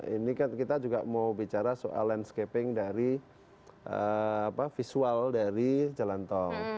ini kan kita juga mau bicara soal landscaping dari visual dari jalan tol